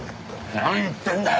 何言ってんだよ！